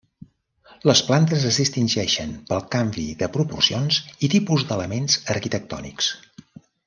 Les plantes es distingeixen pel canvi de proporcions i tipus d'elements arquitectònics.